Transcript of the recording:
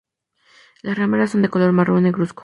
El remeras son de color marrón negruzco.